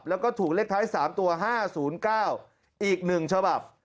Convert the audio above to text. แล้วก็ถูกเลขท้าย๓ตัว๕๐๙อีก๑ฉบับ